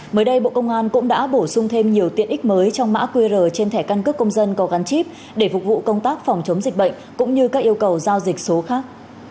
mới đây bộ công an cũng đã bổ sung thêm nhiều tiện ích mới trong mã qr trên thẻ căn cước công dân có gắn chip để phục vụ công tác phòng chống dịch bệnh cũng như các yêu cầu giao dịch số khác